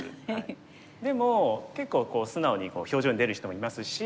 でも結構素直に表情に出る人もいますし。